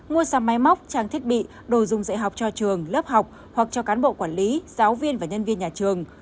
mua sắm máy móc trang thiết bị đồ dùng dạy học cho trường lớp học hoặc cho cán bộ quản lý giáo viên và nhân viên nhà trường